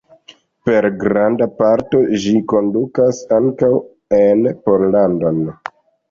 Per granda parto ĝi kondukas ankaŭ en Pollandon.